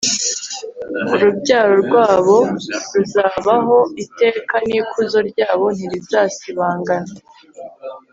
urubyaro rwabo ruzabaho iteka n'ikuzo ryabo ntirizasibangana